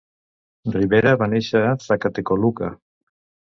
Rivera va néixer a Zacatecoluca.